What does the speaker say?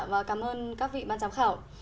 và cảm ơn các vị ban giám khảo